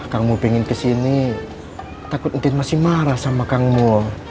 kamu pingin kesini takut tintin masih marah sama kamu